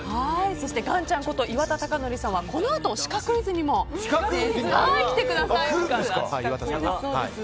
そして岩ちゃんこと岩田剛典さんは、このあとシカクイズにも来てくださいます。